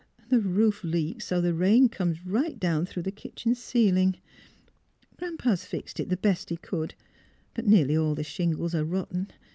And the roof leaks so the rain comes right down through the kitchen ceiling. Gran 'pa's fixed it the best he could; but nearly all the shingles are rotten.